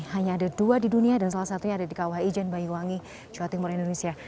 hanya ada dua di dunia dan salah satunya ada di kawah ijen banyuwangi jawa timur indonesia